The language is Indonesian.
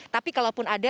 tapi kalau pun ada